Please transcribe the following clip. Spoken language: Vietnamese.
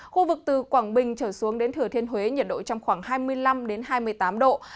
khu vực từ quảng bình trở xuống đến thừa thiên huế nhiệt độ trong khoảng hai mươi năm hai mươi tám độ